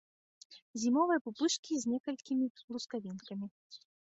Зімовыя пупышкі з некалькімі лускавінкамі.